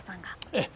ええ。